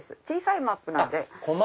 小さいマップなんで。